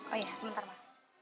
oh iya sebentar mas